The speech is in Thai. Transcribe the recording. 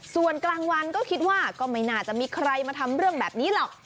ส่วนกลางวันก็คิดว่าก็ไม่น่าจะมีใครมาทำเรื่องแบบนี้หรอก